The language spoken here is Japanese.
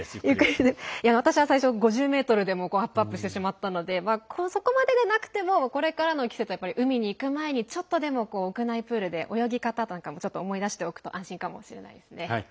私は最後５０ｍでもあっぷあっぷしてしまったのでそこまででもなくてもこれからの季節、海に行く前に屋内プールで泳ぎ方なんかも思い出しておくと安心かもしれないですね。